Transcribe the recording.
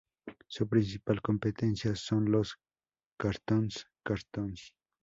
Su principal competencia son los Cartoon Cartoons.